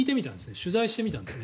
取材してみたんですね。